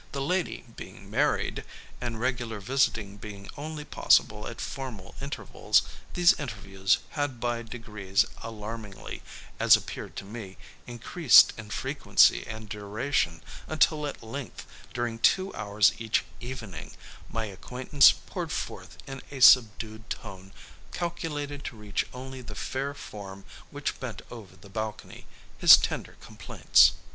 The lady being married, and regular visiting being only possible at formal intervals, these interviews had by degrees alarmingly, as appeared to me, increased in frequency and duration; until at length during two hours each evening, my acquaintance poured forth in a subdued tone, calculated to reach only the fair form which bent over the balcony, his tender complaints.